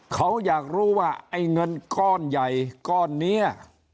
เขาอยากรู้ว่าไอ้เงินก้อนใหญ่ก้อนนี้